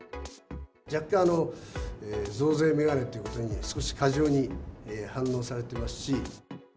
若干、増税メガネということに少し過剰に反応されてますし。